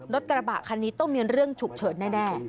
รถกระบะคันนี้ต้องมีเรื่องฉุกเฉินแน่